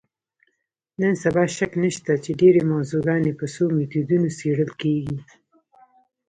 نن سبا شک نشته چې ډېری موضوعګانې په څو میتودونو څېړل کېږي.